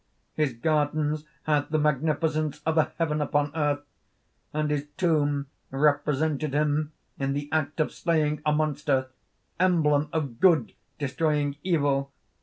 His gardens had the magnificence of a heaven upon earth; and his tomb represented him in the act of slaying a monster, emblem of Good destroying Evil.